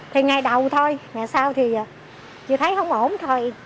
thì ngày đầu thôi ngày sau thì chị thấy không ổn thôi